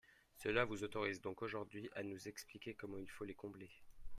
Cela vous autorise donc aujourd’hui à nous expliquer comment il faut les combler.